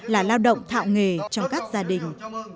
là lao động thạo nghề trong các gia đình